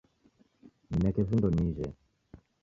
Nineke vindo nijhe